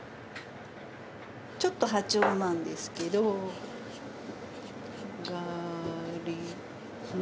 ちょっと破調なんですけど「小あがりに」。